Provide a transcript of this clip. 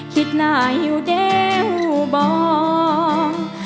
คิดหน้าอยู่เด้วบอง